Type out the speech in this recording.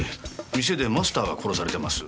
店でマスターが殺されています。